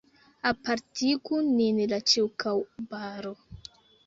Apartigu nin la ĉirkaŭbaro.